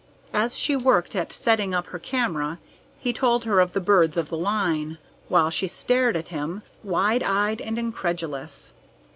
As she worked at setting up her camera, he told her of the birds of the line, while she stared at him, wide eyed and incredulous.